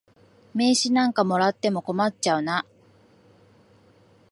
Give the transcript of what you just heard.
名刺なんかもらっても困っちゃうな。